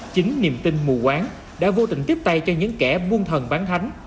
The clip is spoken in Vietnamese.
chính niềm tin mù quán đã vô tình tiếp tay cho những kẻ buông thần bán thánh